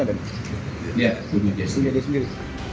ya punya dia sendiri